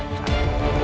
aku ingin tahu